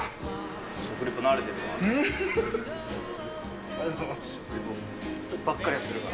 食リポ慣れてんな。